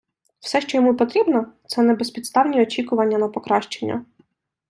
Все, що йому потрібно – це небезпідставні очікування на покращення.